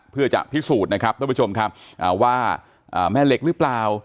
เพื่อจะพิสูจน์นะครับท่านผู้ชมครับว่าแม่เหล็กหรือเปล่า